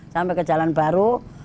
sampai ke jalan baru